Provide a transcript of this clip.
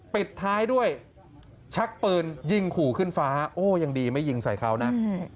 ปิดท้ายด้วยชักปืนยิงขู่ขึ้นฟ้าโอ้ยังดีไม่ยิงใส่เขานะ